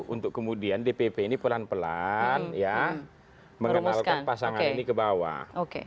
untuk kemudian dpp ini pelan pelan ya mengenalkan pasangan ini ke bawah